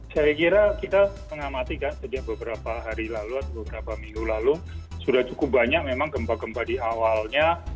saya kira kita mengamati kan sejak beberapa hari lalu atau beberapa minggu lalu sudah cukup banyak memang gempa gempa di awalnya